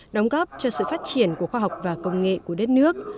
đóng góp cho sự phát triển của khoa học và công nghệ của đất nước